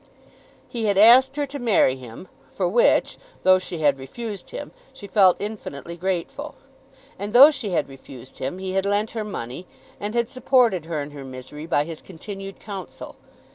He had asked her to marry him, for which, though she had refused him, she felt infinitely grateful. And though she had refused him, he had lent her money, and had supported her in her misery by his continued counsel.